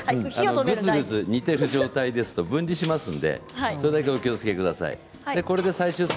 グツグツ煮ている状態だと分離しますのでそれだけお気をつけください。